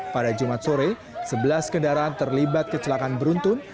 pada jumat sore sebelas kendaraan terlibat kecelakaan beruntun